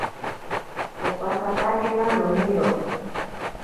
Opasatakena noniro.